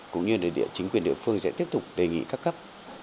cũng như chính quyền địa phương sẽ tiếp tục đề nghị các cấp